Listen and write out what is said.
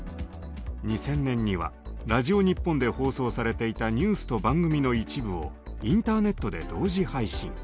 ２０００年にはラジオ日本で放送されていたニュースと番組の一部をインターネットで同時配信。